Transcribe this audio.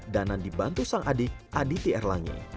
danan dibantu sang adik aditi erlangi